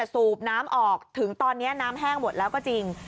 สูบน้ำออกถึงตอนนี้น้ำแห้งหมดแล้วก็จริง